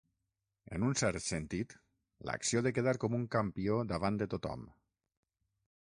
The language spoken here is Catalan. En un cert sentit, l'acció de quedar com un campió davant de tothom.